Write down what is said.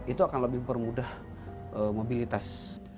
itu akan lebih mempermudah mobilitas